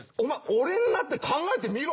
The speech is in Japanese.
俺になって考えてみろ。